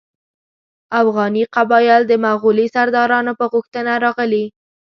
اوغاني قبایل د مغولي سردارانو په غوښتنه راغلي.